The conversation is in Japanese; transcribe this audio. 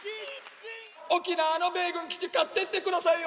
沖縄の米軍基地、買ってってくださいよ。